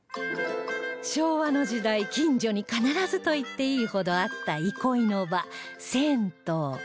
昭和の時代近所に必ずといっていいほどあった憩いの場銭湯